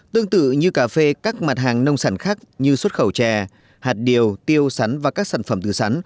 tương tự như cà phê các mặt hàng nông sản khác như xuất khẩu chè hạt điều tiêu sắn và các sản phẩm từ sắn